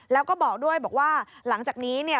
แล้วก็บอกด้วยบอกว่าหลังจากนี้เนี่ย